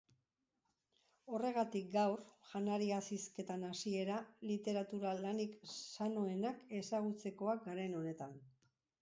Horregatik gaur, janariaz hizketan hasiera, literatura lanik sanoenak ezagutzekoak garen honetan.